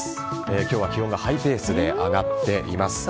今日は気温がハイペースで上がっています。